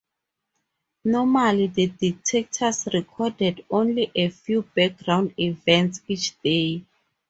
Normally, the detectors recorded only a few background events each day.